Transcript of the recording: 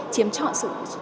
chiếm chọn sự